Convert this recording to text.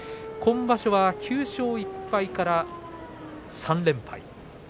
今場所は９勝１敗から３連敗。